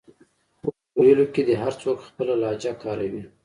خو په ویلو کې دې هر څوک خپله لهجه کاروي